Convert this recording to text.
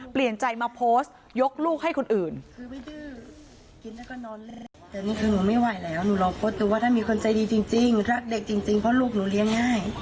เปลี่ยนใจมาโพสต์ยกลูกให้คนอื่น